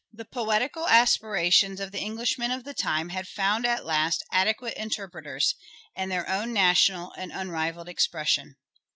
The poetical aspirations of the Englishmen of the time had found at last adequate interpreters, and their own national and unrivalled expression."